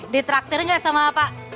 di traktirnya sama apa